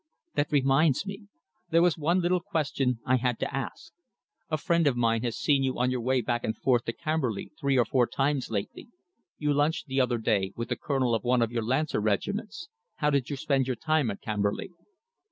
That reminds me. There was one little question I had to ask. A friend of mine has seen you on your way back and forth to Camberley three or four times lately. You lunched the other day with the colonel of one of your Lancer regiments. How did you spend your time at Camberley?"